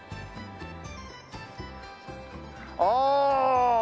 ああ！